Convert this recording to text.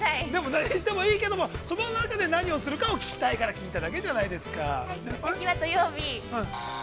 ◆何してもいいけれども、何をするかを聞きたいから聞いただけじゃないですかー。